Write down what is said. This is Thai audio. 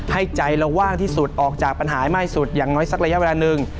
ให้ใจเราว่างที่สุดออกจากปัญหามากสุดอย่างน้อยสักระยะเวลาหนึ่ง